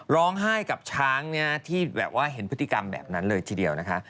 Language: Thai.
ร้องไห้กับช้างที่แบบว่าเห็นพฤติกรรมแบบนั้นเลยทีเดียวนะคะ